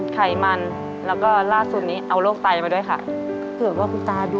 ขายได้ค่ะค่ะ